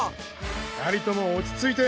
２人とも落ち着いて。